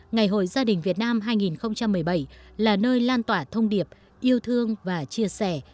ngày hội gia đình việt nam hai nghìn một mươi bảy là nơi lan tỏa thông điệp yêu thương và chia sẻ